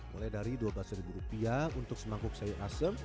mulai dari dua belas rupiah untuk semangkuk sayur asem